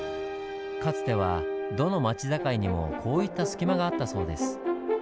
かつてはどの町境にもこういった隙間があったそうです。